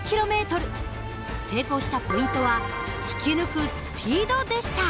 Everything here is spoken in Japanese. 成功したポイントは引き抜くスピードでした。